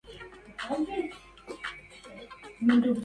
تيرَ القِلى عن أماني النفس حاشاكِ